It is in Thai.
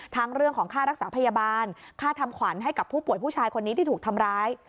เรื่องของค่ารักษาพยาบาลค่าทำขวัญให้กับผู้ป่วยผู้ชายคนนี้ที่ถูกทำร้าย